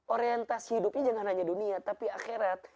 orientasi hidupnya jangan hanya dunia tapi akhirat